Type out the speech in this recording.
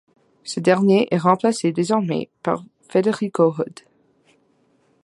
Ce dernier est remplacé désormais par Federico Hood.